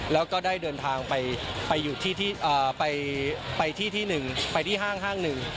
แล้วได้เดินทางไปที่ที่๑ที่ห้างหนึ่ง